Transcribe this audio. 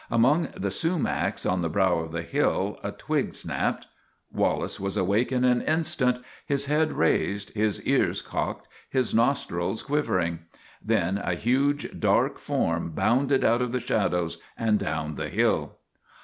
Among the sumacs on the brow of the hill a twig snapped. Wallace was awake in an instant, his head raised, his ears cocked, his nostrils quivering. Then a huge, dark form bounded out of the shadows and down the hill.